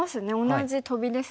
同じトビですね。